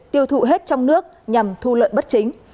tiêu thụ hết trong nước nhằm thu lợi bất chính